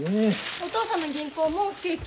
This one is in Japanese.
お父さんの銀行も不景気？